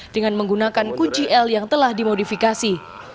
dengan menggunakan kunci l yang telah dimodifikasi